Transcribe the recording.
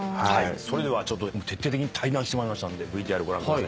それでは徹底的に対談してまいりましたのでＶＴＲご覧ください。